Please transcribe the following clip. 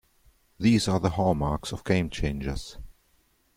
These are the hallmarks of game changers.